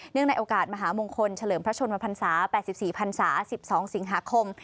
ในโอกาสมหามงคลเฉลิมพระชนมพันศา๘๔พันศา๑๒สิงหาคม